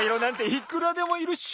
いくらでもいるっしょ！